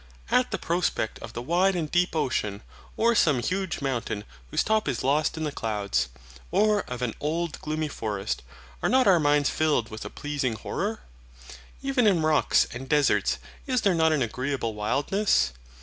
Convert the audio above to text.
At the prospect of the wide and deep ocean, or some huge mountain whose top is lost in the clouds, or of an old gloomy forest, are not our minds filled with a pleasing horror? Even in rocks and deserts is there not an agreeable wildness?